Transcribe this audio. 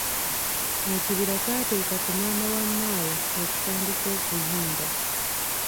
Ekibira kyatuuka ku maama wa Maawa ne kitandika okuyimba,